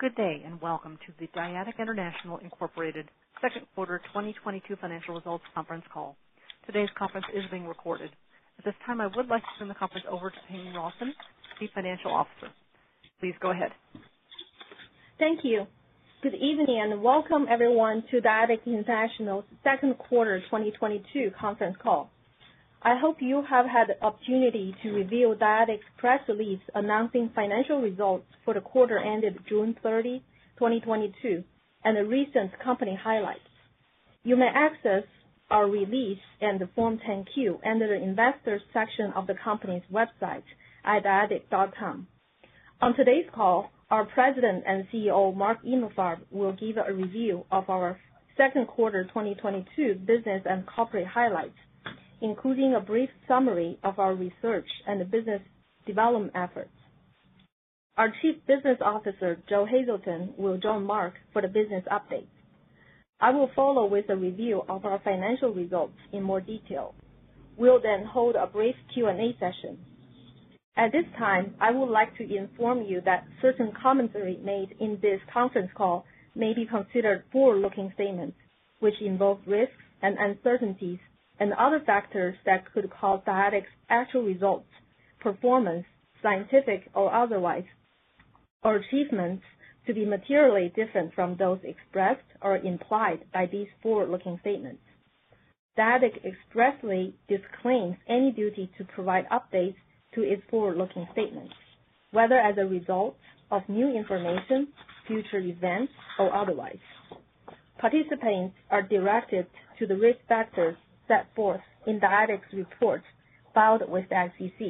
Good day, and welcome to the Dyadic International, Inc. Q2 2022 financial results conference call. Today's conference is being recorded. At this time, I would like to turn the conference over to Ping Rawson, Chief Financial Officer. Please go ahead. Thank you. Good evening, and welcome everyone to Dyadic International Q2 2022 conference call. I hope you have had the opportunity to review Dyadic's press release announcing financial results for the quarter ended June 30, 2022, and the recent company highlights. You may access our release and the Form 10-Q under the investor section of the company's website at dyadic.com. On today's call, our President and CEO, Mark Emalfarb, will give a review of our Q2 2022 business and corporate highlights, including a brief summary of our research and business development efforts. Our Chief Business Officer, Joe Hazelton, will join Mark for the business update. I will follow with a review of our financial results in more detail. We'll then hold a brief Q&A session. At this time, I would like to inform you that certain commentary made in this conference call may be considered forward-looking statements which involve risks and uncertainties and other factors that could cause Dyadic's actual results, performance, scientific or otherwise, or achievements to be materially different from those expressed or implied by these forward-looking statements. Dyadic expressly disclaims any duty to provide updates to its forward-looking statements, whether as a result of new information, future events, or otherwise. Participants are directed to the risk factors set forth in Dyadic's reports filed with the SEC.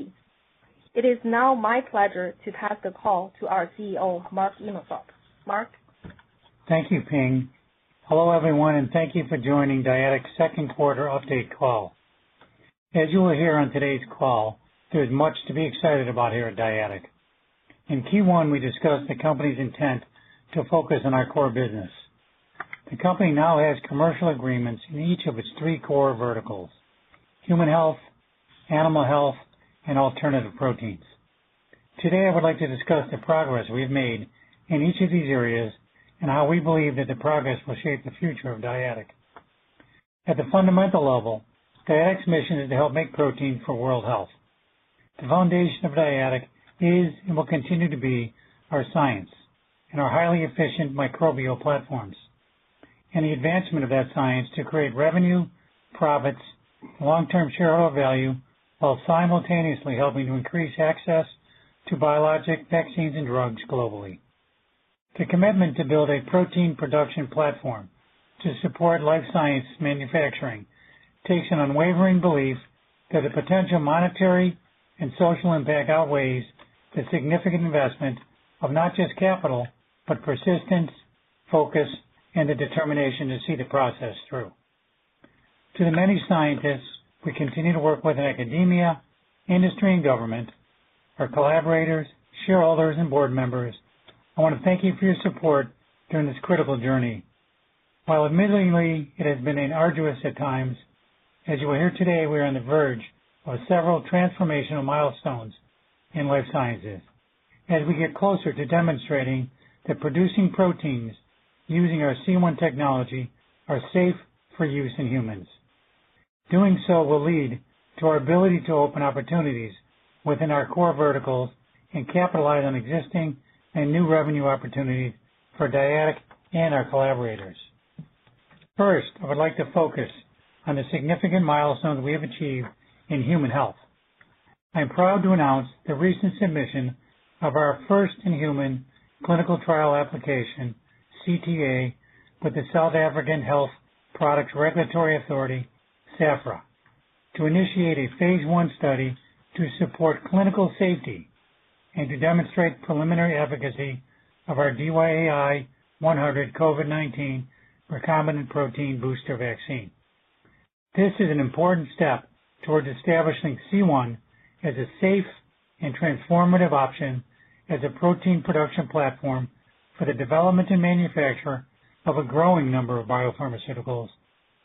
It is now my pleasure to pass the call to our CEO, Mark Emalfarb. Mark. Thank you, Ping. Hello, everyone, and thank you for joining Dyadic Q2 update call. As you will hear on today's call, there's much to be excited about here at Dyadic. In Q1, we discussed the company's intent to focus on our core business. The company now has commercial agreements in each of its three core verticals, human health, animal health, and alternative proteins. Today, I would like to discuss the progress we've made in each of these areas and how we believe that the progress will shape the future of Dyadic. At the fundamental level, Dyadic's mission is to help make protein for world health. The foundation of Dyadic is, and will continue to be, our science and our highly efficient microbial platforms and the advancement of that science to create revenue, profits, long-term shareholder value, while simultaneously helping to increase access to biologic vaccines and drugs globally. The commitment to build a protein production platform to support life science manufacturing takes an unwavering belief that the potential monetary and social impact outweighs the significant investment of not just capital, but persistence, focus, and the determination to see the process through. To the many scientists we continue to work with in academia, industry and government, our collaborators, shareholders and board members, I want to thank you for your support during this critical journey. While admittedly it has been arduous at times, as you will hear today, we are on the verge of several transformational milestones in life sciences as we get closer to demonstrating that producing proteins using our C1 technology are safe for use in humans. Doing so will lead to our ability to open opportunities within our core verticals and capitalize on existing and new revenue opportunities for Dyadic and our collaborators. First, I would like to focus on the significant milestones we have achieved in human health. I'm proud to announce the recent submission of our first in-human clinical trial application, CTA, with the South African Health Products Regulatory Authority, SAHPRA, to initiate a phase l study to support clinical safety and to demonstrate preliminary efficacy of our DYAI-100 COVID-19 recombinant protein booster vaccine. This is an important step towards establishing C1 as a safe and transformative option as a protein production platform for the development and manufacture of a growing number of biopharmaceuticals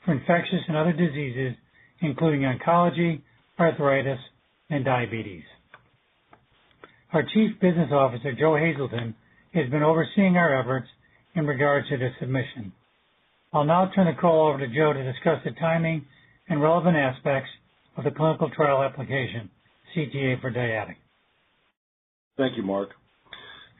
for infectious and other diseases, including oncology, arthritis, and diabetes. Our chief business officer, Joe Hazelton, has been overseeing our efforts in regards to this submission. I'll now turn the call over to Joe to discuss the timing and relevant aspects of the clinical trial application, CTA for Dyadic. Thank you, Mark.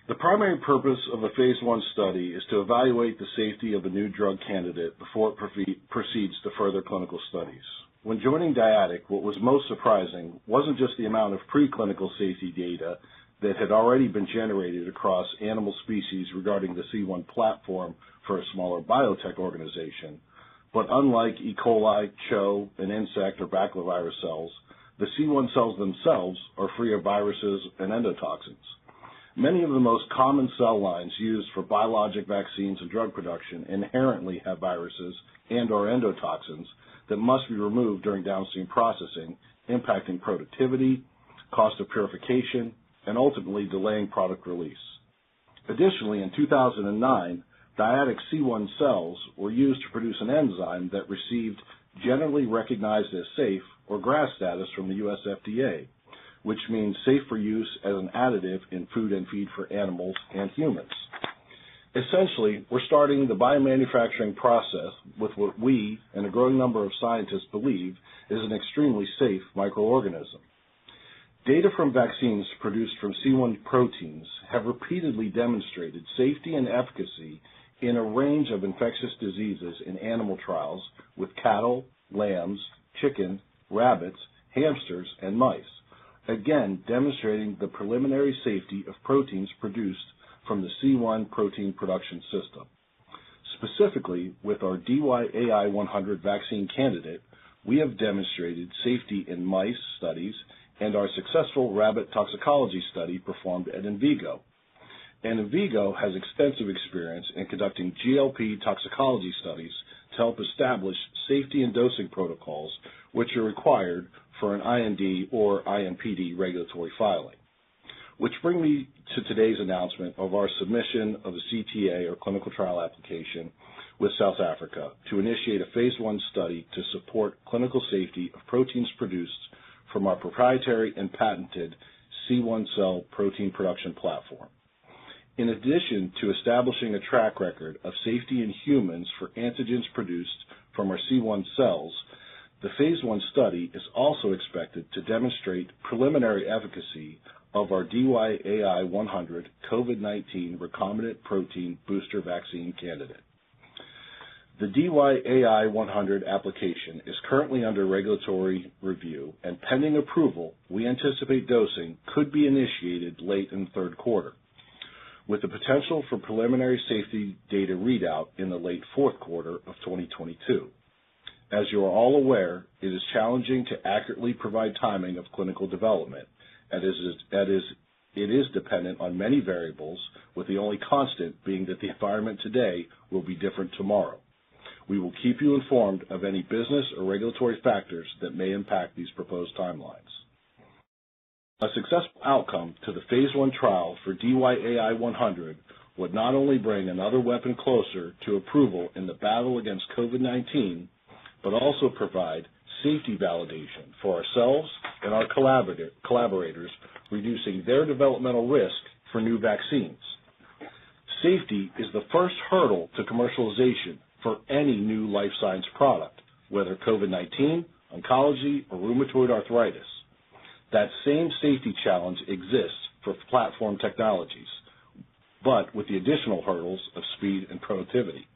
The primary purpose of the phase l study is to evaluate the safety of a new drug candidate before it proceeds to further clinical studies. When joining Dyadic, what was most surprising wasn't just the amount of pre-clinical safety data that had already been generated across animal species regarding the C1 platform for a smaller biotech organization. Unlike E. coli, CHO, an insect or baculovirus cells, the C1 cells themselves are free of viruses and endotoxins. Many of the most common cell lines used for biologic vaccines and drug production inherently have viruses and/or endotoxins that must be removed during downstream processing, impacting productivity, cost of purification, and ultimately delaying product release. Additionally, in 2009, Dyadic C1 cells were used to produce an enzyme that received generally recognized as safe or GRAS status from the U.S. FDA, which means safe for use as an additive in food and feed for animals and humans. Essentially, we're starting the biomanufacturing process with what we and a growing number of scientists believe is an extremely safe microorganism. Data from vaccines produced from C1 proteins have repeatedly demonstrated safety and efficacy in a range of infectious diseases in animal trials with cattle, lambs, chicken, rabbits, hamsters, and mice. Again, demonstrating the preliminary safety of proteins produced from the C1 protein production system. Specifically, with our DYAI-100 vaccine candidate, we have demonstrated safety in mice studies and our successful rabbit toxicology study performed at Envigo. Envigo has extensive experience in conducting GLP toxicology studies to help establish safety and dosing protocols which are required for an IND or IMPD regulatory filing. Which bring me to today's announcement of our submission of a CTA or clinical trial application with South Africa to initiate a phase l study to support clinical safety of proteins produced from our proprietary and patented C1 cell protein production platform. In addition to establishing a track record of safety in humans for antigens produced from our C1 cells, the phase l study is also expected to demonstrate preliminary efficacy of our DYAI-100 COVID-19 recombinant protein booster vaccine candidate. The DYAI-100 application is currently under regulatory review and pending approval, we anticipate dosing could be initiated late in Q3, with the potential for preliminary safety data readout in the late Q4 of 2022. As you are all aware, it is challenging to accurately provide timing of clinical development, it is dependent on many variables with the only constant being that the environment today will be different tomorrow. We will keep you informed of any business or regulatory factors that may impact these proposed timelines. A successful outcome to the phase l trial for DYAI-100 would not only bring another weapon closer to approval in the battle against COVID-19, but also provide safety validation for ourselves and our collaborators, reducing their developmental risk for new vaccines. Safety is the first hurdle to commercialization for any new life science product, whether COVID-19, oncology, or rheumatoid arthritis. That same safety challenge exists for platform technologies, but with the additional hurdles of speed and productivity.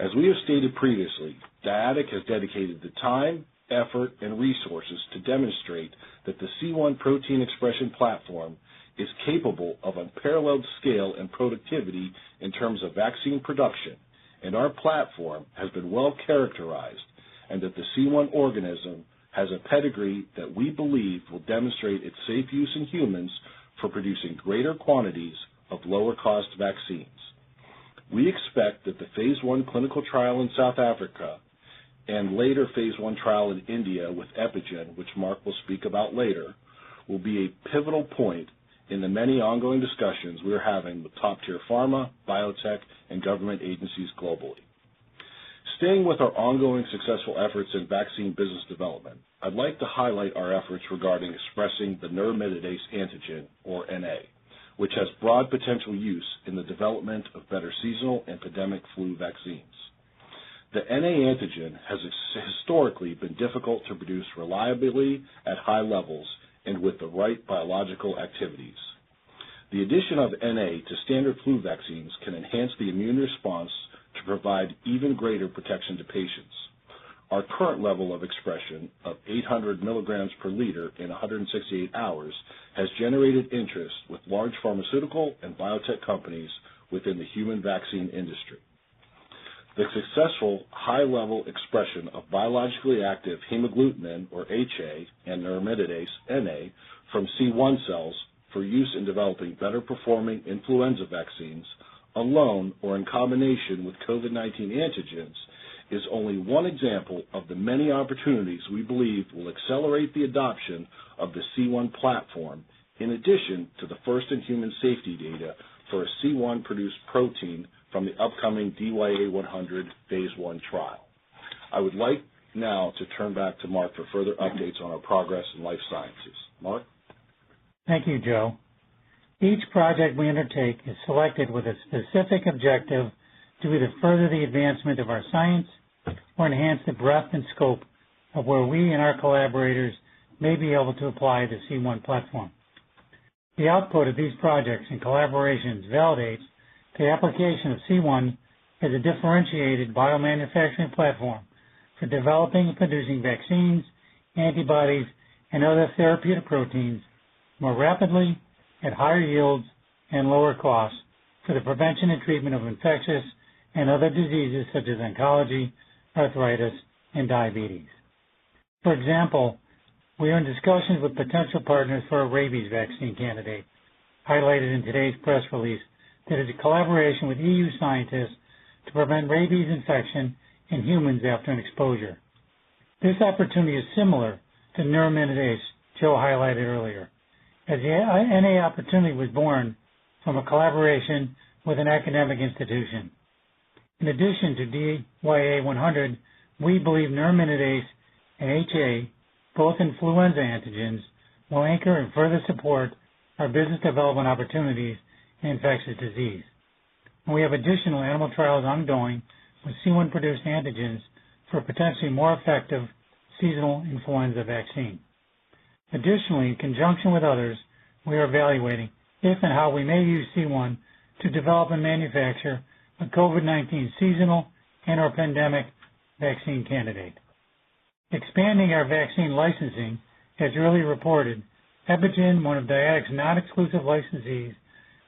As we have stated previously, Dyadic has dedicated the time, effort, and resources to demonstrate that the C1 protein expression platform is capable of unparalleled scale and productivity in terms of vaccine production. Our platform has been well-characterized, and that the C1 organism has a pedigree that we believe will demonstrate its safe use in humans for producing greater quantities of lower cost vaccines. We expect that the phase l clinical trial in South Africa and later phase l trial in India with Epygen, which Mark will speak about later, will be a pivotal point in the many ongoing discussions we're having with top-tier pharma, biotech, and government agencies globally. Staying with our ongoing successful efforts in vaccine business development, I'd like to highlight our efforts regarding expressing the neuraminidase antigen or NA, which has broad potential use in the development of better seasonal epidemic flu vaccines. The NA antigen has historically been difficult to produce reliably at high levels and with the right biological activities. The addition of NA to standard flu vaccines can enhance the immune response to provide even greater protection to patients. Our current level of expression of 800 mg per liter in 168 hours has generated interest with large pharmaceutical and biotech companies within the human vaccine industry. The successful high-level expression of biologically active hemagglutinin or HA and neuraminidase, NA, from C1 cells for use in developing better performing influenza vaccines alone or in combination with COVID-19 antigens is only one example of the many opportunities we believe will accelerate the adoption of the C1 platform in addition to the first in human safety data for a C1 produced protein from the upcoming DYAI-100 phase l trial. I would like now to turn back to Mark for further updates on our progress in life sciences. Mark? Thank you, Joe. Each project we undertake is selected with a specific objective to either further the advancement of our science or enhance the breadth and scope of where we and our collaborators may be able to apply the C1 platform. The output of these projects and collaborations validates the application of C1 as a differentiated biomanufacturing platform for developing and producing vaccines, antibodies, and other therapeutic proteins more rapidly at higher yields and lower costs for the prevention and treatment of infectious and other diseases such as oncology, arthritis, and diabetes. For example, we are in discussions with potential partners for a rabies vaccine candidate highlighted in today's press release that is a collaboration with EU scientists to prevent rabies infection in humans after an exposure. This opportunity is similar to neuraminidase Joe highlighted earlier, as the NA opportunity was born from a collaboration with an academic institution. In addition to DYAI-100, we believe neuraminidase and HA, both influenza antigens, will anchor and further support our business development opportunities in infectious disease. We have additional animal trials ongoing with C1-produced antigens for potentially more effective seasonal influenza vaccine. Additionally, in conjunction with others, we are evaluating if and how we may use C1 to develop and manufacture a COVID-19 seasonal and/or pandemic vaccine candidate. Expanding our vaccine licensing, as earlier reported, Epygen, one of Dyadic's non-exclusive licensees,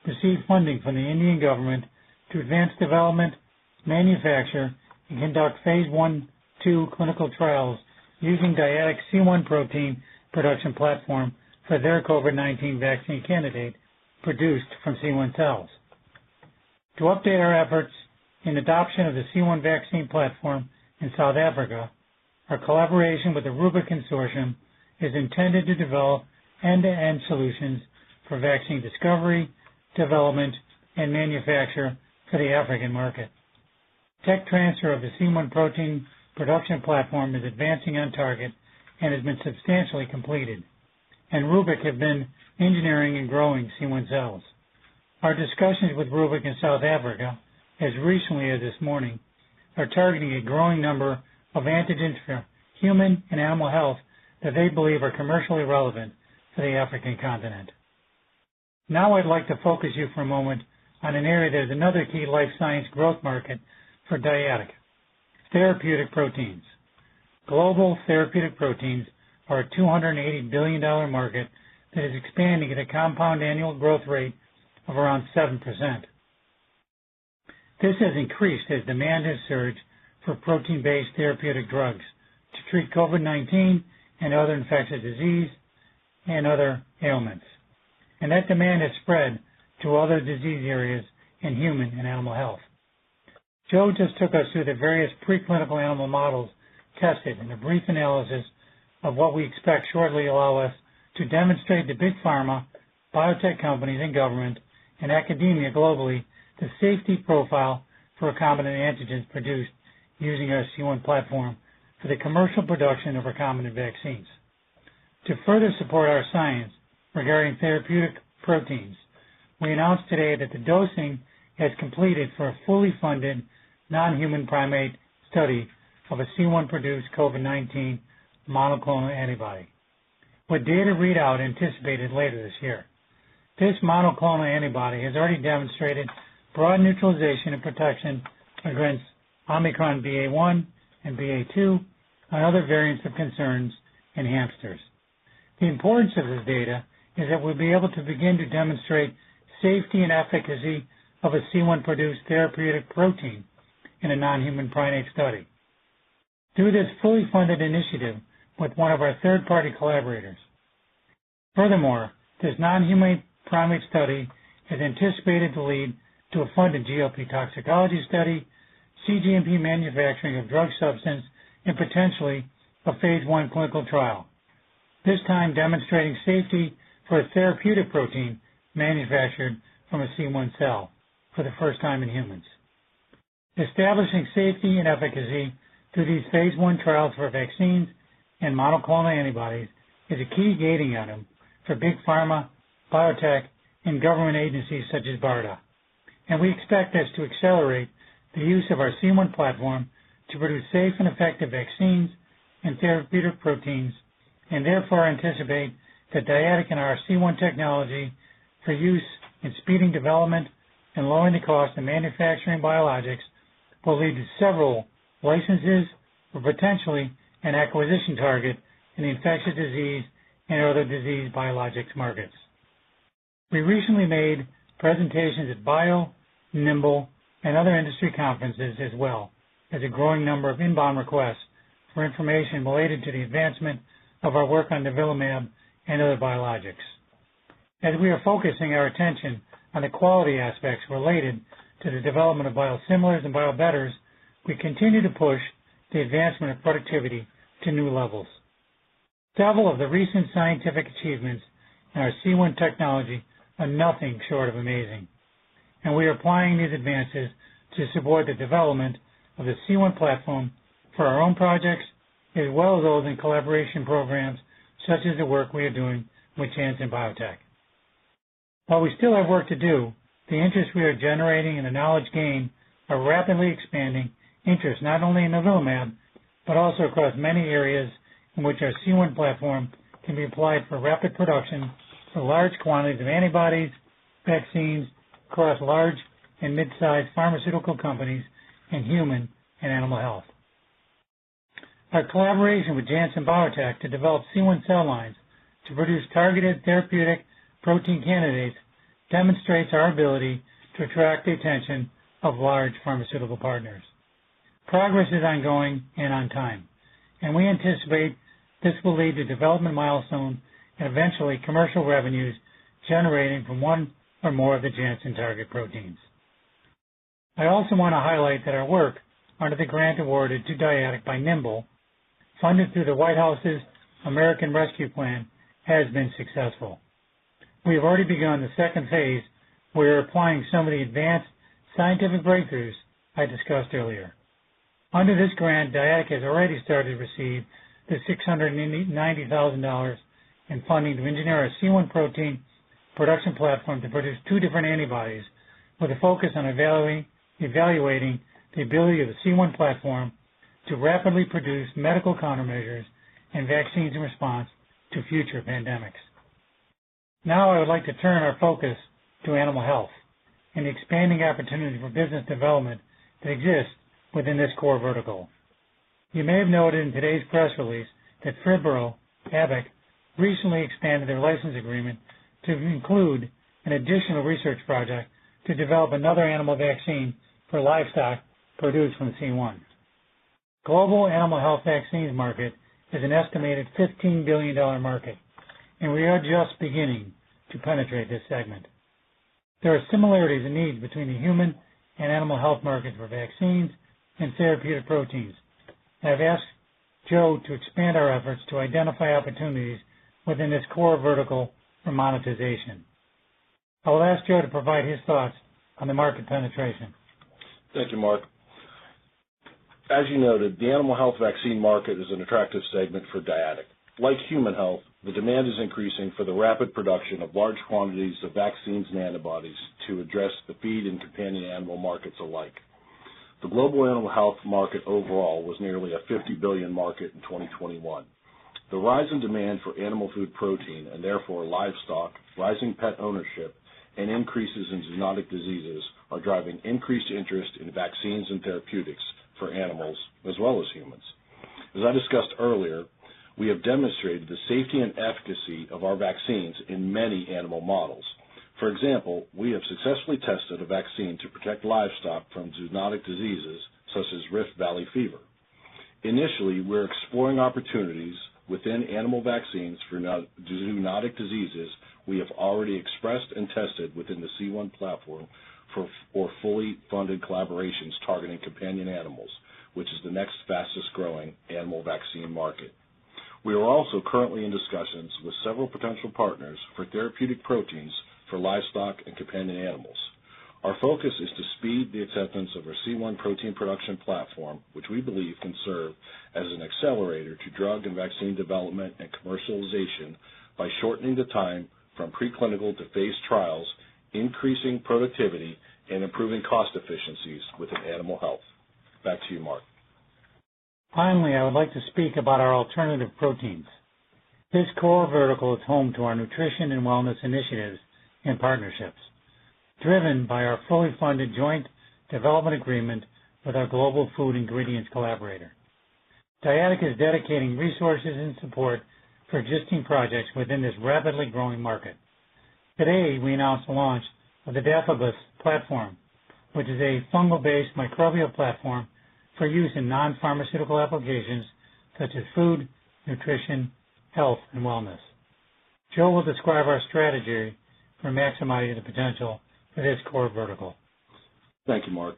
received funding from the Indian government to advance development, manufacture, and conduct phase l, ll clinical trials using Dyadic's C1 protein production platform for their COVID-19 vaccine candidate produced from C1 cells. To update our efforts in adoption of the C1 vaccine platform in South Africa, our collaboration with the Rubic Consortium is intended to develop end-to-end solutions for vaccine discovery, development, and manufacture to the African market. Tech transfer of the C1 protein production platform is advancing on target and has been substantially completed, and Rubic have been engineering and growing C1 cells. Our discussions with Rubic in South Africa, as recently as this morning, are targeting a growing number of antigens for human and animal health that they believe are commercially relevant for the African continent. Now I'd like to focus you for a moment on an area that is another key life science growth market for Dyadic, therapeutic proteins. Global therapeutic proteins are a $280 billion market that is expanding at a compound annual growth rate of around 7%. This has increased as demand has surged for protein-based therapeutic drugs to treat COVID-19 and other infectious diseases and other ailments. That demand has spread to other disease areas in human and animal health. Joe just took us through the various preclinical animal models tested, and a brief analysis of what we expect shortly allow us to demonstrate to big pharma, biotech companies, and government, and academia globally the safety profile for recombinant antigens produced using our C1 platform for the commercial production of recombinant vaccines. To further support our science regarding therapeutic proteins, we announced today that the dosing has completed for a fully funded non-human primate study of a C1-produced COVID-19 monoclonal antibody, with data readout anticipated later this year. This monoclonal antibody has already demonstrated broad neutralization and protection against Omicron BA.1 and BA.2 and other variants of concern in hamsters. The importance of this data is that we'll be able to begin to demonstrate safety and efficacy of a C1-produced therapeutic protein in a non-human primate study through this fully funded initiative with one of our third-party collaborators. Furthermore, this non-human primate study is anticipated to lead to a funded GLP toxicology study, cGMP manufacturing of drug substance, and potentially a phase l clinical trial, this time demonstrating safety for a therapeutic protein manufactured from a C1 cell for the first time in humans. Establishing safety and efficacy through these phase l trials for vaccines and monoclonal antibodies is a key gating item for big pharma, biotech, and government agencies such as BARDA, and we expect this to accelerate the use of our C1 platform to produce safe and effective vaccines and therapeutic proteins, and therefore anticipate that Dyadic and our C1 technology for use in speeding development and lowering the cost of manufacturing biologics will lead to several licenses or potentially an acquisition target in the infectious disease and other disease biologics markets. We recently made presentations at BIO, NIIMBL, and other industry conferences as well as a growing number of inbound requests for information related to the advancement of our work on nivolumab and other biologics. As we are focusing our attention on the quality aspects related to the development of biosimilars and biobetters, we continue to push the advancement of productivity to new levels. Several of the recent scientific achievements in our C1 technology are nothing short of amazing, and we are applying these advances to support the development of the C1 platform for our own projects as well as those in collaboration programs such as the work we are doing with Janssen Biotech. While we still have work to do, the interest we are generating and the knowledge gained are rapidly expanding interest not only in nivolumab, but also across many areas in which our C1 platform can be applied for rapid production for large quantities of antibodies, vaccines across large and mid-sized pharmaceutical companies in human and animal health. Our collaboration with Janssen Biotech to develop C1 cell lines to produce targeted therapeutic protein candidates demonstrates our ability to attract the attention of large pharmaceutical partners. Progress is ongoing and on time, and we anticipate this will lead to development milestones and eventually commercial revenues generating from one or more of the Janssen target proteins. I also want to highlight that our work under the grant awarded to Dyadic by NIIMBL, funded through the White House's American Rescue Plan, has been successful. We have already begun the phase ll. We're applying some of the advanced scientific breakthroughs I discussed earlier. Under this grant, Dyadic has already started to receive the $690,000 in funding to engineer a C1 protein production platform to produce two different antibodies with a focus on evaluating the ability of the C1 platform to rapidly produce medical countermeasures and vaccines in response to future pandemics. Now I would like to turn our focus to animal health and the expanding opportunity for business development that exists within this core vertical. You may have noted in today's press release that Phibro Animal Health recently expanded their license agreement to include an additional research project to develop another animal vaccine for livestock produced from C1. Global animal health vaccines market is an estimated $15 billion market, and we are just beginning to penetrate this segment. There are similarities in needs between the human and animal health market for vaccines and therapeutic proteins. I've asked Joe to expand our efforts to identify opportunities within this core vertical for monetization. I will ask Joe to provide his thoughts on the market penetration. Thank you, Mark. As you noted, the animal health vaccine market is an attractive segment for Dyadic. Like human health, the demand is increasing for the rapid production of large quantities of vaccines and antibodies to address the feed and companion animal markets alike. The global animal health market overall was nearly a $50 billion market in 2021. The rise in demand for animal food protein, and therefore livestock, rising pet ownership, and increases in zoonotic diseases are driving increased interest in vaccines and therapeutics for animals as well as humans. As I discussed earlier, we have demonstrated the safety and efficacy of our vaccines in many animal models. For example, we have successfully tested a vaccine to protect livestock from zoonotic diseases such as Rift Valley fever. Initially, we're exploring opportunities within animal vaccines for non-zoonotic diseases we have already expressed and tested within the C1 platform for fully funded collaborations targeting companion animals, which is the next fastest growing animal vaccine market. We are also currently in discussions with several potential partners for therapeutic proteins for livestock and companion animals. Our focus is to speed the acceptance of our C1 protein production platform, which we believe can serve as an accelerator to drug and vaccine development and commercialization by shortening the time from pre-clinical to phase trials, increasing productivity, and improving cost efficiencies within animal health. Back to you, Mark. Finally, I would like to speak about our alternative proteins. This core vertical is home to our nutrition and wellness initiatives and partnerships, driven by our fully funded joint development agreement with our global food ingredients collaborator. Dyadic is dedicating resources and support for existing projects within this rapidly growing market. Today, we announced the launch of the Dapibus platform, which is a fungal-based microbial platform for use in non-pharmaceutical applications such as food, nutrition, health, and wellness. Joe will describe our strategy for maximizing the potential of this core vertical. Thank you, Mark.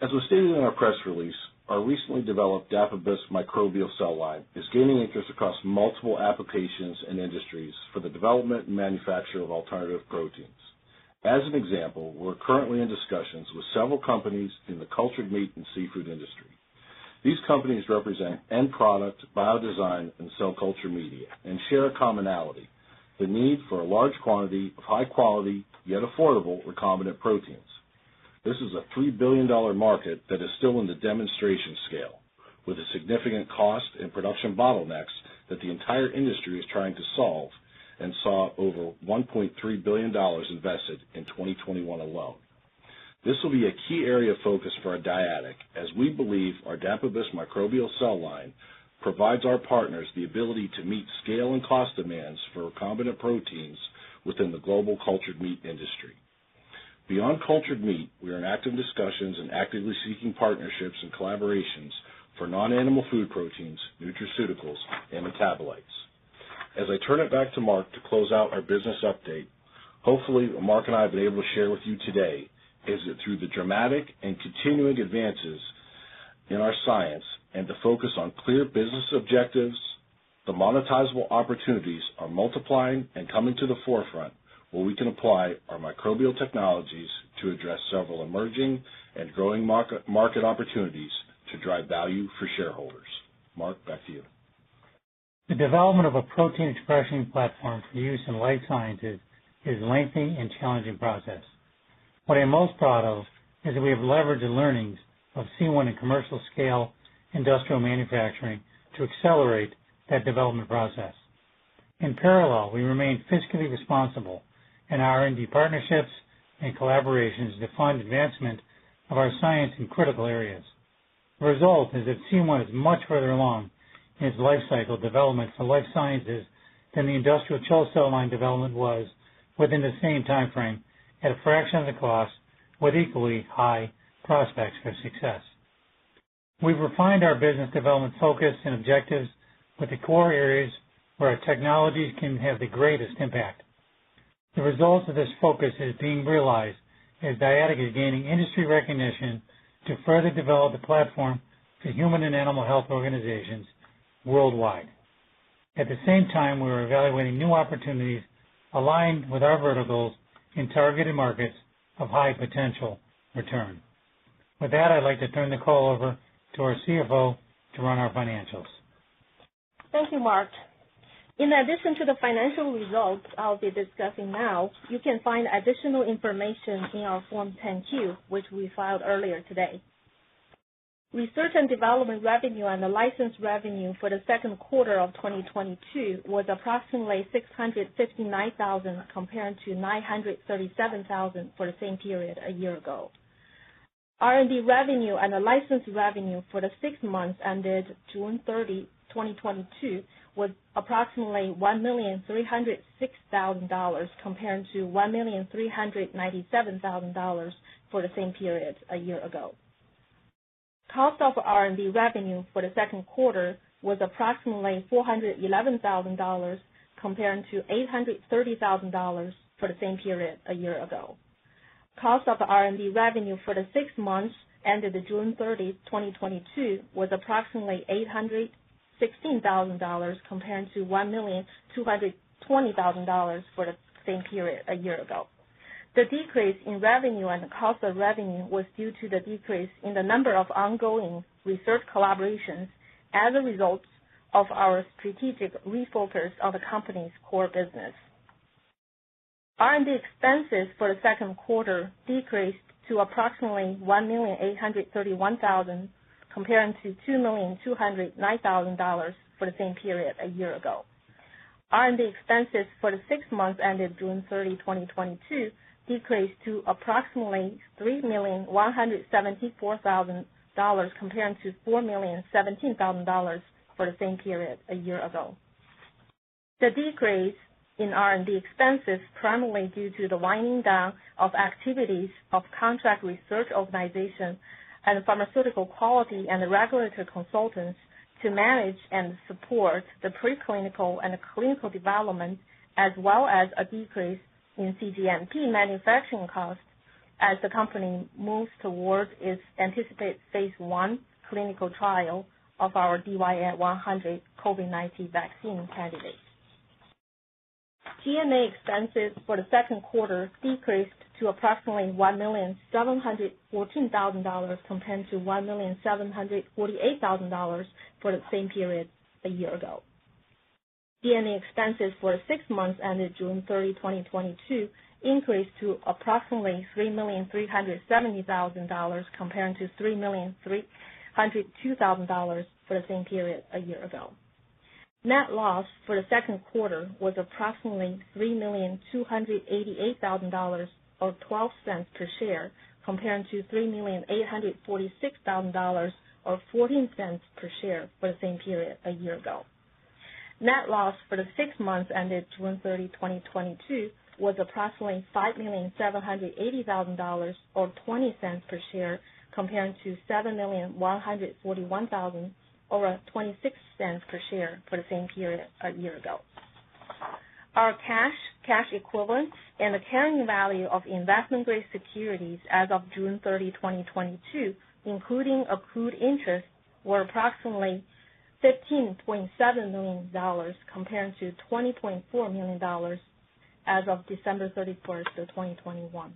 As was stated in our press release, our recently developed Dapibus microbial cell line is gaining interest across multiple applications and industries for the development and manufacture of alternative proteins. As an example, we're currently in discussions with several companies in the cultured meat and seafood industry. These companies represent end product, biodesign, and cell culture media, and share a commonality, the need for a large quantity of high quality, yet affordable recombinant proteins. This is a $3 billion market that is still in the demonstration scale, with a significant cost and production bottlenecks that the entire industry is trying to solve and saw over $1.3 billion invested in 2021 alone. This will be a key area of focus for Dyadic as we believe our Dapibus microbial cell line provides our partners the ability to meet scale and cost demands for recombinant proteins within the global cultured meat industry. Beyond cultured meat, we are in active discussions and actively seeking partnerships and collaborations for non-animal food proteins, nutraceuticals, and metabolites. As I turn it back to Mark to close out our business update, hopefully what Mark and I have been able to share with you today is that through the dramatic and continuing advances in our science and the focus on clear business objectives, the monetizable opportunities are multiplying and coming to the forefront where we can apply our microbial technologies to address several emerging and growing market opportunities to drive value for shareholders. Mark, back to you. The development of a protein expression platform for use in life sciences is a lengthy and challenging process. What I'm most proud of is that we have leveraged the learnings of C1 in commercial scale industrial manufacturing to accelerate that development process. In parallel, we remain fiscally responsible in our R&D partnerships and collaborations to fund advancement of our science in critical areas. The result is that C1 is much further along in its life cycle development for life sciences than the industrial CHO cell line development was within the same timeframe at a fraction of the cost with equally high prospects for success. We've refined our business development focus and objectives with the core areas where our technologies can have the greatest impact. The results of this focus is being realized as Dyadic is gaining industry recognition to further develop the platform to human and animal health organizations worldwide. At the same time, we are evaluating new opportunities aligned with our verticals in targeted markets of high potential return. With that, I'd like to turn the call over to our CFO to run our financials. Thank you, Mark. In addition to the financial results I'll be discussing now, you can find additional information in our Form 10-Q, which we filed earlier today. Research and development revenue and the license revenue for the Q2 of 2022 was approximately $659,000, compared to $937,000 for the same period a year ago. R&D revenue and the license revenue for the six months ended June 30, 2022 was approximately $1,306,000 million compared to $1,397,000 million for the same period a year ago. Cost of R&D revenue for the Q2 was approximately $411,000 compared to $830,000 for the same period a year ago. Cost of R&D revenue for the six months ended June 30, 2022 was approximately $816,000 compared to $1,220,000 million for the same period a year ago. The decrease in revenue and cost of revenue was due to the decrease in the number of ongoing research collaborations as a result of our strategic refocus of the company's core business. R&D expenses for the Q2 decreased to approximately $1,831,000 million, compared to $2,209,000 million for the same period a year ago. R&D expenses for the six months ended June 30, 2022 decreased to approximately $3,174,000 million compared to $4,017,000 million for the same period a year ago. The decrease in R&D expenses primarily due to the winding down of activities of contract research organizations and pharmaceutical quality and regulatory consultants to manage and support the pre-clinical and clinical development, as well as a decrease in cGMP manufacturing costs as the company moves towards its anticipated phase l clinical trial of our DYAI-100 COVID-19 vaccine candidate. G&A expenses for the Q2 decreased to approximately $1,714,000 million compared to $1,748,000 million for the same period a year ago. G&A expenses for the six months ended June 30, 2022 increased to approximately $3,370,000 million compared to $3,302,000 million for the same period a year ago. Net loss for the Q2 was approximately $3,288,000 million, or $0.12 per share, comparing to $3,846,000 million or $0.14 per share for the same period a year ago. Net loss for the six months ended June 30, 2022 was approximately $5.,780,000 million or $0.20 per share, comparing to $7,141,000 million or $0.26 per share for the same period a year ago. Our cash equivalents, and the carrying value of investment-grade securities as of June 30, 2022, including accrued interest, were approximately $15.7 million, comparing to $20.4 million as of December 31, 2021.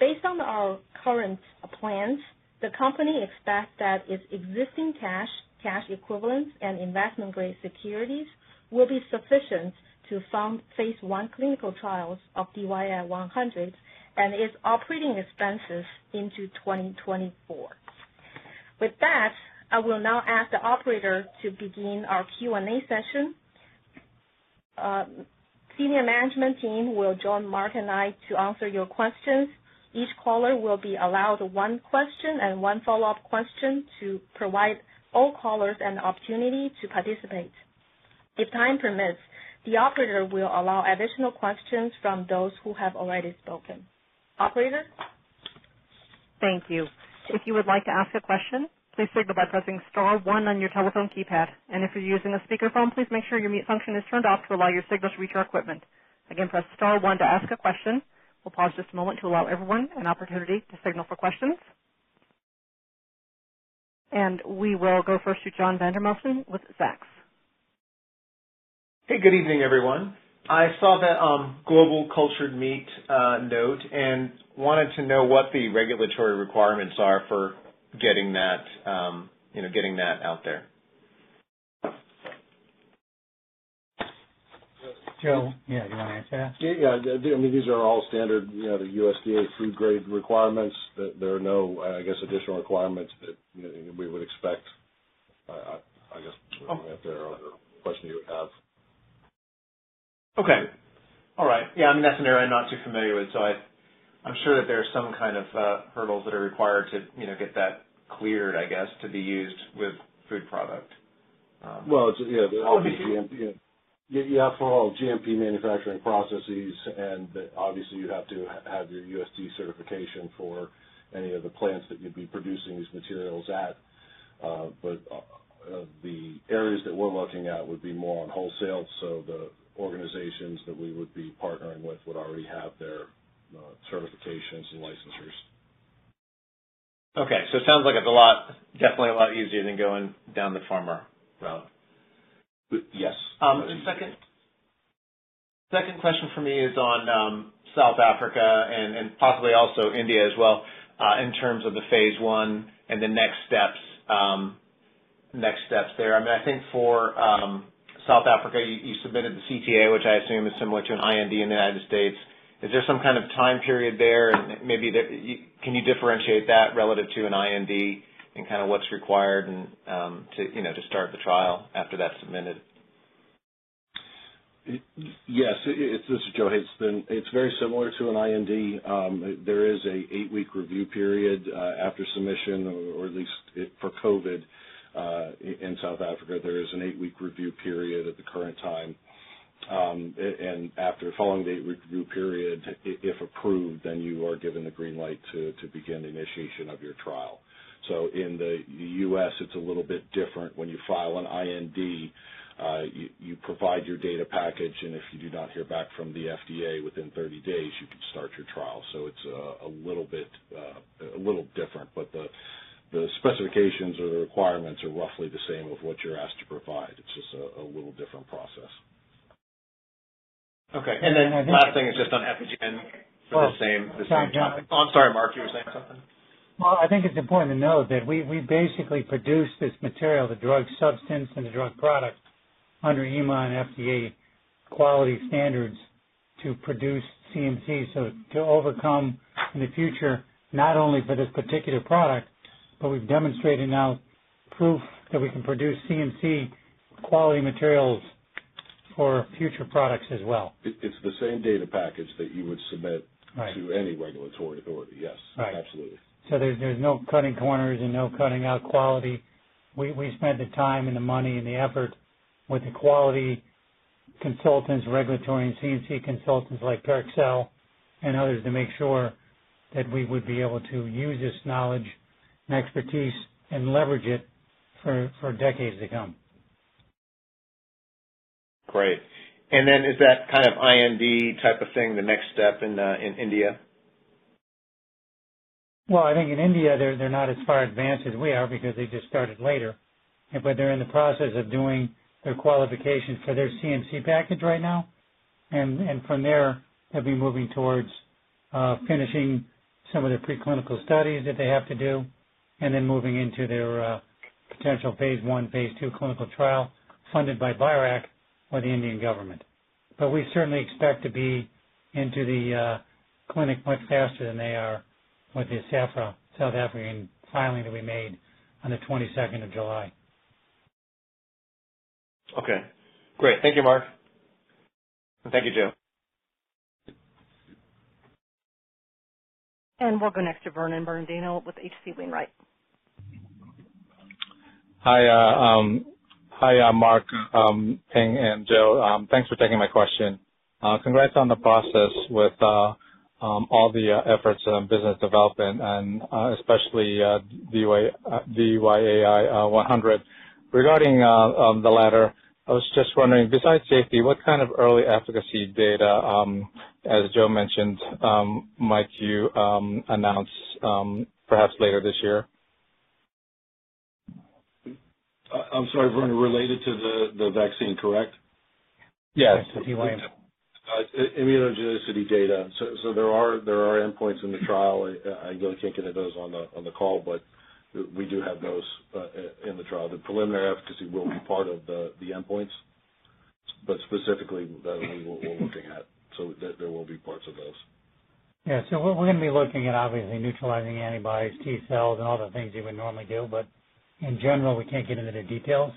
Based on our current plans, the company expects that its existing cash equivalents, and investment-grade securities will be sufficient to fund phase l clinical trials of DYAI-100 and its operating expenses into 2024. With that, I will now ask the operator to begin our Q&A session. Senior management team will join Mark and I to answer your questions. Each caller will be allowed one question and one follow-up question to provide all callers an opportunity to participate. If time permits, the operator will allow additional questions from those who have already spoken. Operator? Thank you. If you would like to ask a question, please signal by pressing star one on your telephone keypad. If you're using a speakerphone, please make sure your mute function is turned off to allow your signal to reach our equipment. Again, press star one to ask a question. We'll pause just a moment to allow everyone an opportunity to signal for questions. We will go first to John Vandermosten with Zacks. Hey, good evening, everyone. I saw that global cultured meat note and wanted to know what the regulatory requirements are for getting that, you know, getting that out there? Joe, yeah, do you wanna answer that? Yeah. I mean, these are all standard, you know, the USDA food grade requirements. There are no, I guess, additional requirements that, you know, we would expect. I guess. Okay If there are other questions you would have. Okay. All right. Yeah, I mean, that's an area I'm not too familiar with, so I'm sure that there are some kind of hurdles that are required to you know get that cleared, I guess, to be used with food product. Well, it's, yeah. Okay. The GMP, you know. Yeah, you have to follow all GMP manufacturing processes and obviously you'd have to have your USDA certification for any of the plants that you'd be producing these materials at. The areas that we're looking at would be more on wholesale, so the organizations that we would be partnering with would already have their certifications and licensures. Okay. It sounds like it's a lot, definitely a lot easier than going down the pharma route. Y-yes. Second question for me is on South Africa and possibly also India as well, in terms of the phase l and the next steps, next steps there. I mean, I think for South Africa, you submitted the CTA, which I assume is similar to an IND in the United States. Is there some kind of time period there and maybe that can you differentiate that relative to an IND and kinda what's required and, to you know, to start the trial after that's submitted? This is Joe Hazelton. It's very similar to an IND. There is an eight week review period after submission or at least it, for COVID, in South Africa, there is an eight week review period at the current time. And after following the eight week review period, if approved, then you are given the green light to begin initiation of your trial. In the U.S. it's a little bit different. When you file an IND, you provide your data package, and if you do not hear back from the FDA within 30 days, you can start your trial. It's a little bit different, but the specifications or the requirements are roughly the same of what you're asked to provide. It's just a little different process. Okay. I think. Last thing is just on Epygen for the same. Oh. Sorry, John. Oh, I'm sorry, Mark, you were saying something? Well, I think it's important to note that we basically produce this material, the drug substance and the drug product under EMA and FDA quality standards to produce CMC. To overcome in the future, not only for this particular product, but we've demonstrated now proof that we can produce CMC quality materials for future products as well. It's the same data package that you would submit. Right. to any regulatory authority. Yes. Right. Absolutely. There's no cutting corners and no cutting out quality. We spent the time and the money and the effort with the quality consultants, regulatory and CMC consultants like Parexel and others, to make sure that we would be able to use this knowledge and expertise and leverage it for decades to come. Great. Is that kind of IND type of thing, the next step in India? Well, I think in India they're not as far advanced as we are because they just started later, but they're in the process of doing their qualifications for their CMC package right now. From there, they'll be moving towards finishing some of their preclinical studies that they have to do, and then moving into their potential phase l, phase ll clinical trial funded by BIRAC or the Indian government. We certainly expect to be into the clinic much faster than they are with the SAHPRA South African filing that we made on the July 22nd. Okay, great. Thank you, Mark. Thank you, Joe. We'll go next to Vernon Bernardino with H.C. Wainwright. Hi, Mark Emalfarb, Ping Rawson, and Joe Hazelton. Thanks for taking my question. Congrats on the progress with all the efforts in business development and especially DYAI-100. Regarding the latter, I was just wondering, besides safety, what kind of early efficacy data, as Joe mentioned, might you announce, perhaps later this year? I'm sorry, Vernon, related to the vaccine, correct? Yes. Yes, to DYAI. Immunogenicity data. There are endpoints in the trial. I don't think any of those on the call, but we do have those in the trial. The preliminary efficacy will be part of the endpoints, but specifically that we're looking at. There will be parts of those. Yeah. We're gonna be looking at obviously neutralizing antibodies, T-cells, and all the things you would normally do. In general, we can't get into the details.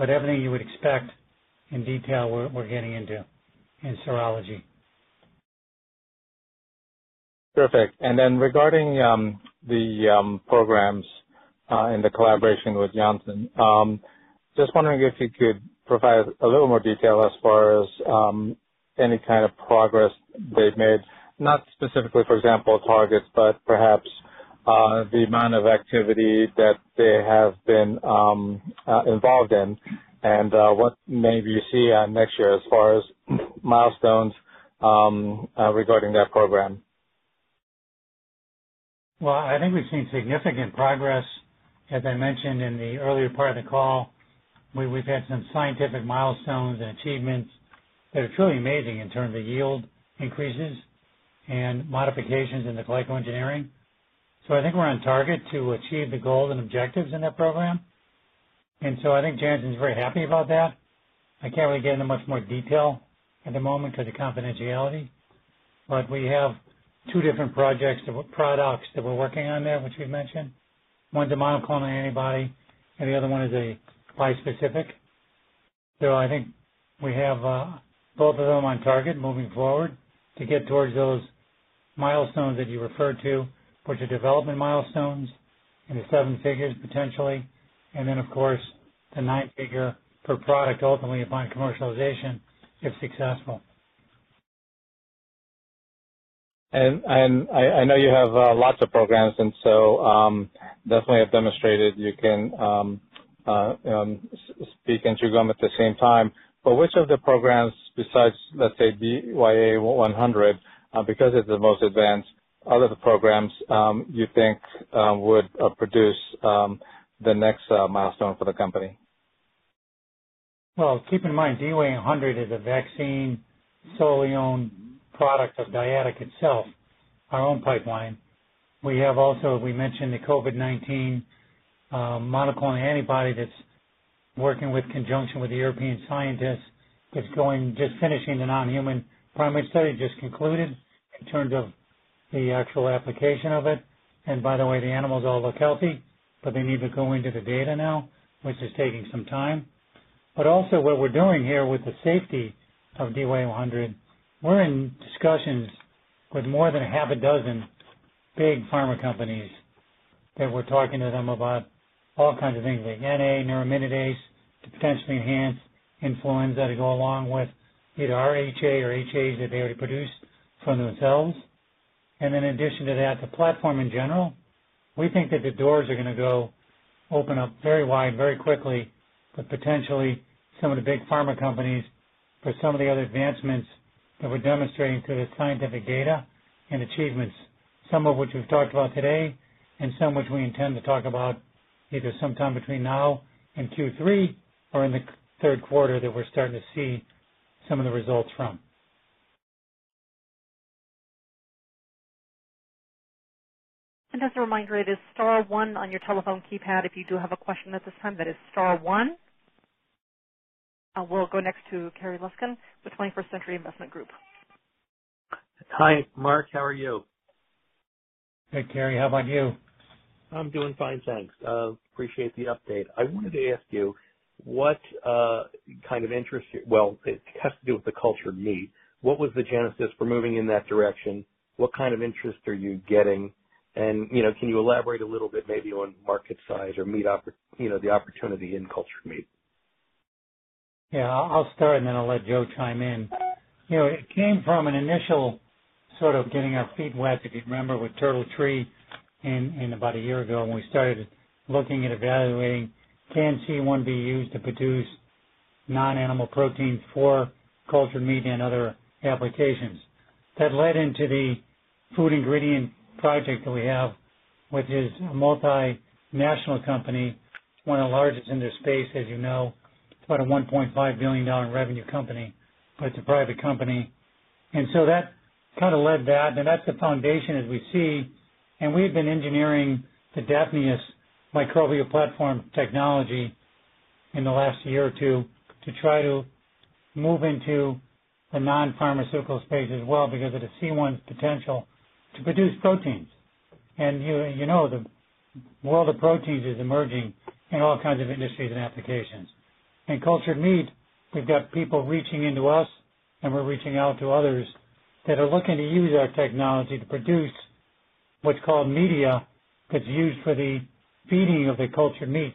Everything you would expect in detail, we're getting into in serology. Perfect. Regarding the programs and the collaboration with Janssen, just wondering if you could provide a little more detail as far as any kind of progress they've made. Not specifically, for example, targets, but perhaps the amount of activity that they have been involved in and what maybe you see next year as far as milestones regarding that program. Well, I think we've seen significant progress. As I mentioned in the earlier part of the call, we've had some scientific milestones and achievements that are truly amazing in terms of yield increases and modifications in the glyco-engineering. I think we're on target to achieve the goals and objectives in that program. I think Janssen's very happy about that. I can't really get into much more detail at the moment because of confidentiality, but we have two different projects, products that we're working on there, which we've mentioned. One's a monoclonal antibody, and the other one is a bispecific. I think we have both of them on target moving forward to get towards those milestones that you referred to, which are development milestones in the seven figures potentially, and then, of course, the nine-figure per product ultimately upon commercialization, if successful. I know you have lots of programs and so definitely have demonstrated you can speak and chew gum at the same time. Which of the programs besides, let's say, DYAI-100, because it's the most advanced, out of the programs, you think would produce the next milestone for the company? Well, keep in mind, DYAI-100 is a vaccine solely owned product of Dyadic itself, our own pipeline. We have also mentioned the COVID-19 monoclonal antibody that's working in conjunction with the European scientists. That's just finishing the non-human primate study just concluded in terms of the actual application of it. By the way, the animals all look healthy, but they need to go into the data now, which is taking some time. Also what we're doing here with the safety of DYAI-100, we're in discussions with more than 6 big pharma companies that we're talking to them about all kinds of things like NA, neuraminidase to potentially enhance influenza to go along with either our HA or HAs that they already produce for themselves. In addition to that, the platform in general, we think that the doors are gonna go open up very wide, very quickly, for potentially some of the big pharma companies for some of the other advancements that we're demonstrating through the scientific data and achievements, some of which we've talked about today and some which we intend to talk about either sometime between now and Q3 or in the Q3 that we're starting to see some of the results from. As a reminder, it is star one on your telephone keypad if you do have a question at this time. That is star one. We'll go next to Cary Luskin with 21st Century Property Group. Hi, Mark. How are you? Hey, Carey. How about you? I'm doing fine, thanks. Appreciate the update. I wanted to ask you. Well, it has to do with the cultured meat. What was the genesis for moving in that direction? What kind of interest are you getting? You know, can you elaborate a little bit maybe on market size or, you know, the opportunity in cultured meat? Yeah. I'll start, and then I'll let Joe chime in. You know, it came from an initial sort of getting our feet wet, if you remember, with TurtleTree in about a year ago when we started looking at evaluating can C1 be used to produce non-animal protein for cultured meat and other applications. That led into the food ingredient project that we have, which is a multinational company, one of the largest in this space, as you know. It's about a $1.5 billion revenue company, but it's a private company. That kinda led that, and that's the foundation as we see. We've been engineering the Dapibus microbial platform technology in the last year or two to try to move into the non-pharmaceutical space as well because of the C1's potential to produce proteins. You, you know the world of proteins is emerging in all kinds of industries and applications. In cultured meat, we've got people reaching out to us, and we're reaching out to others, that are looking to use our technology to produce what's called media that's used for the feeding of the cultured meat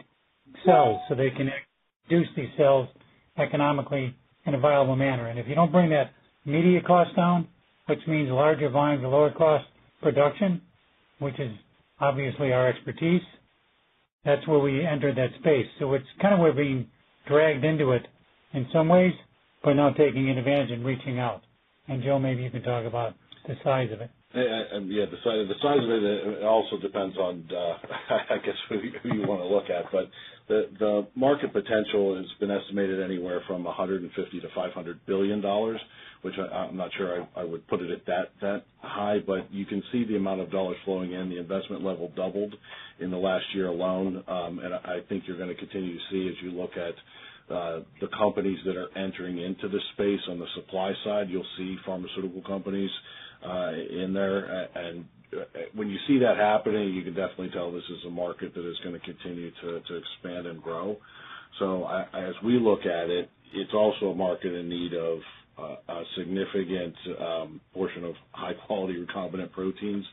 cells, so they can produce these cells economically in a viable manner. If you don't bring that media cost down, which means larger volumes at lower cost production, which is obviously our expertise, that's where we enter that space. It's kind of we're being dragged into it in some ways, but now taking advantage and reaching out. Joe, maybe you can talk about the size of it. Yeah, the size of it also depends on, I guess, who you wanna look at. The market potential has been estimated anywhere from $150 billion-$500 billion, which I'm not sure I would put it at that high. You can see the amount of dollars flowing in. The investment level doubled in the last year alone. I think you're gonna continue to see as you look at the companies that are entering into this space. On the supply side, you'll see pharmaceutical companies in there. When you see that happening, you can definitely tell this is a market that is gonna continue to expand and grow. As we look at it's also a market in need of a significant portion of high-quality recombinant proteins.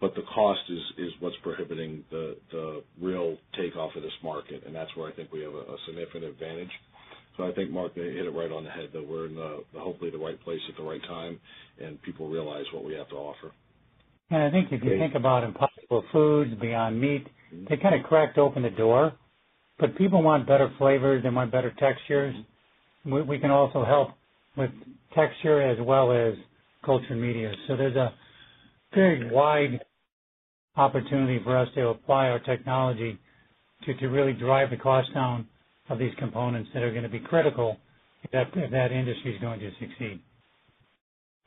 The cost is what's prohibiting the real takeoff of this market, and that's where I think we have a significant advantage. I think Mark hit it right on the head that we're in, hopefully, the right place at the right time, and people realize what we have to offer. I think if you think about Impossible Foods, Beyond Meat. Mm-hmm. They kinda cracked open the door. People want better flavors, they want better textures. We can also help with texture as well as culture media. There's a very wide opportunity for us to apply our technology to really drive the cost down of these components that are gonna be critical if that industry's going to succeed.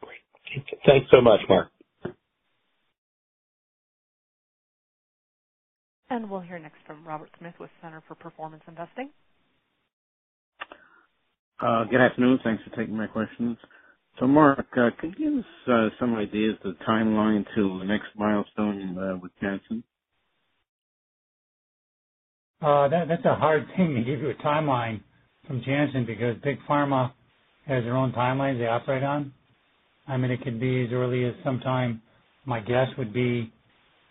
Great. Thank you. Thanks so much, Mark. We'll hear next from Robert Smith with Center for Performance Investing. Good afternoon. Thanks for taking my questions. Mark, could you give us some ideas of the timeline to the next milestone with Janssen? That's a hard thing to give you a timeline from Janssen, because big pharma has their own timelines they operate on. I mean, it could be as early as sometime, my guess would be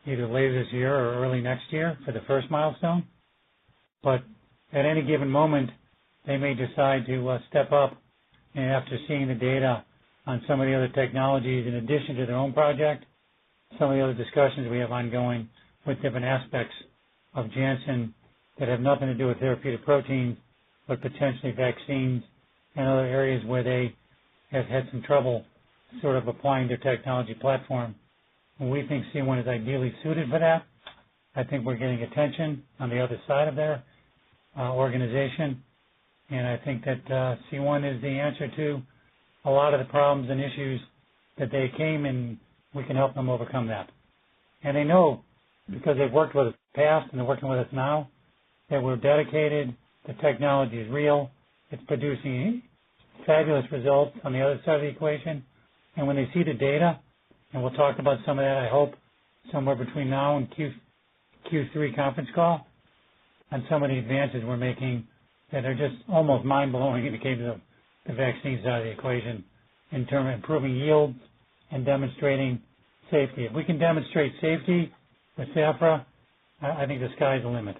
either later this year or early next year for the first milestone. At any given moment, they may decide to step up after seeing the data on some of the other technologies in addition to their own project. Some of the other discussions we have ongoing with different aspects of Janssen that have nothing to do with therapeutic proteins, but potentially vaccines and other areas where they have had some trouble sort of applying their technology platform. We think C1 is ideally suited for that. I think we're getting attention on the other side of their organization. I think that C1 is the answer to a lot of the problems and issues that they came, and we can help them overcome that. They know because they've worked with us in the past and they're working with us now, that we're dedicated, the technology is real, it's producing fabulous results on the other side of the equation. When they see the data, and we'll talk about some of that, I hope somewhere between now and Q3 conference call, on some of the advances we're making that are just almost mind-blowing in the case of the vaccines side of the equation in terms of improving yields and demonstrating safety. If we can demonstrate safety with SAHPRA, I think the sky's the limit.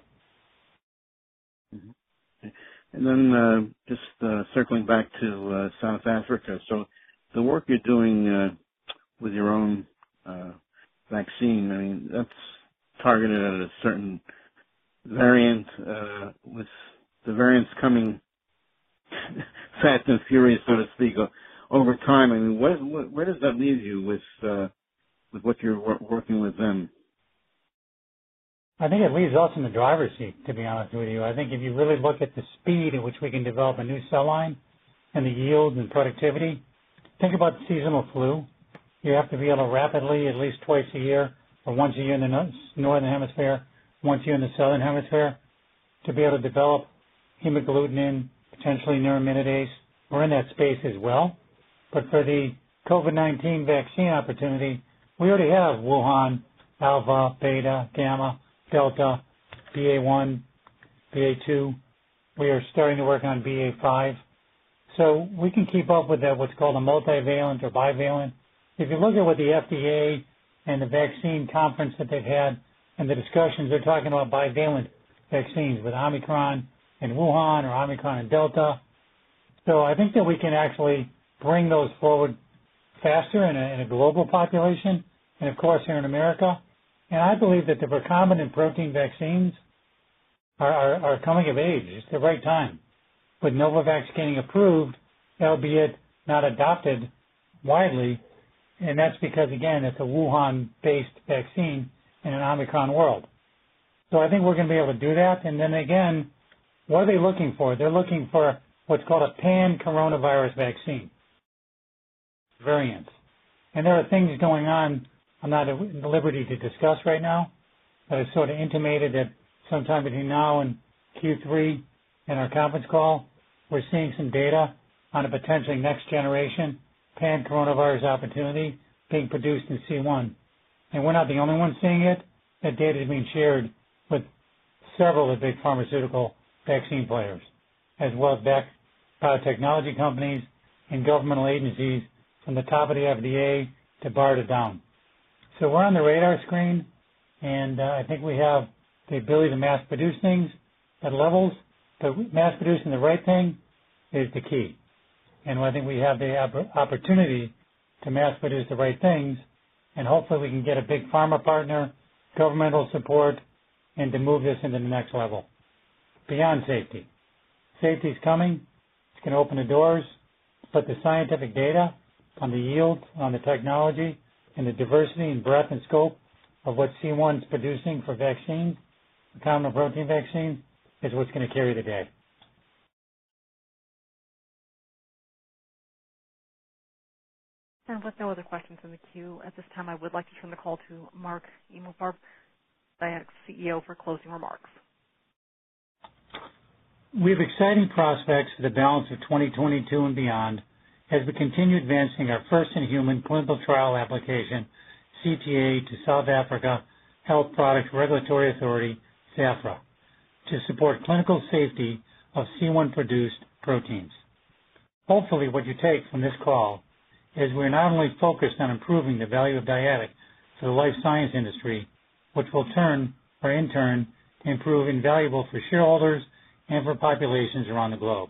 Circling back to South Africa. The work you're doing with your own vaccine, I mean, that's targeted at a certain variant. With the variants coming fast and furious, so to speak, over time, I mean, where does that leave you with what you're working with them? I think it leaves us in the driver's seat, to be honest with you. I think if you really look at the speed at which we can develop a new cell line and the yield and productivity. Think about seasonal flu. You have to be able to rapidly, at least twice a year or once a year in the north, northern hemisphere, once a year in the southern hemisphere, to be able to develop hemagglutinin, potentially neuraminidase, we're in that space as well. But for the COVID-19 vaccine opportunity, we already have Wuhan, Alpha, Beta, Gamma, Delta, BA one, BA two. We are starting to work on BA five. We can keep up with that, what's called a multivalent or bivalent. If you look at what the FDA and the vaccine conference that they've had and the discussions they're talking about bivalent vaccines with Omicron and Wuhan or Omicron and Delta. I think that we can actually bring those forward faster in a global population and of course here in America. I believe that the recombinant protein vaccines are coming of age. It's the right time. With Novavax getting approved, albeit not adopted widely, and that's because again, it's a Wuhan-based vaccine in an Omicron world. I think we're gonna be able to do that. Then again, what are they looking for? They're looking for what's called a pan-coronavirus vaccine variant. There are things going on I'm not at liberty to discuss right now, but it's sort of intimated that sometime between now and Q3 in our conference call, we're seeing some data on a potentially next generation pan-coronavirus opportunity being produced in C1. We're not the only ones seeing it. That data is being shared with several of the pharmaceutical vaccine players, as well as biotech, technology companies and governmental agencies from the top of the FDA to BARDA down. We're on the radar screen, and I think we have the ability to mass produce things at levels. Mass producing the right thing is the key. I think we have the opportunity to mass produce the right things and hopefully we can get a big pharma partner, governmental support, and to move this into the next level beyond safety. Safety is coming. It's gonna open the doors, but the scientific data on the yield, on the technology, and the diversity and breadth and scope of what C1's producing for vaccine, the common protein vaccine, is what's gonna carry the day. With no other questions in the queue at this time, I would like to turn the call to Mark Emalfarb, Dyadic's CEO, for closing remarks. We have exciting prospects for the balance of 2022 and beyond as we continue advancing our first-in-human clinical trial application, CTA, to South African Health Products Regulatory Authority, SAHPRA, to support clinical safety of C1-produced proteins. Hopefully, what you take from this call is we're not only focused on improving the value of Dyadic to the life science industry, which will, in turn, prove invaluable for shareholders and for populations around the globe.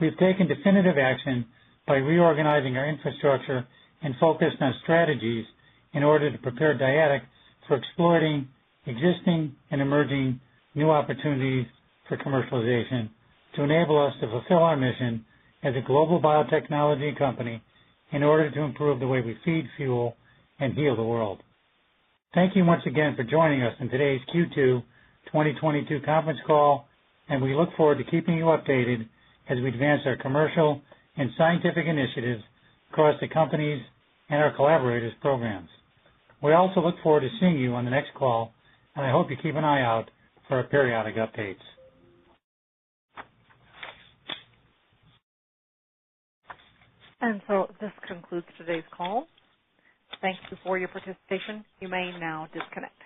We've taken definitive action by reorganizing our infrastructure and focused on strategies in order to prepare Dyadic for exploiting existing and emerging new opportunities for commercialization to enable us to fulfill our mission as a global biotechnology company in order to improve the way we feed, fuel, and heal the world. Thank you once again for joining us on today's Q2 2022 conference call, and we look forward to keeping you updated as we advance our commercial and scientific initiatives across the companies and our collaborators' programs. We also look forward to seeing you on the next call, and I hope you keep an eye out for our periodic updates. This concludes today's call. Thank you for your participation. You may now disconnect.